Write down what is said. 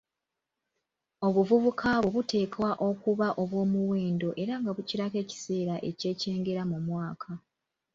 Obuvubuka bwo buteekwa okuba obw'omuwendo era nga bukirako ekiseera eky'ekyengera mu mwaka.